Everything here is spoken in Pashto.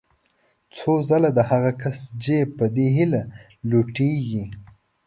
څو ځله د هغه کس جېب په دې هیله لوټېږي.